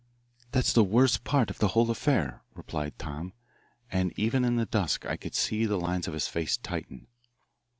"That's the worst part of the whole affair," replied Tom, and even in the dusk I could see the lines of his face tighten.